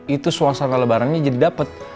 itu suasana lebarannya jadi dapat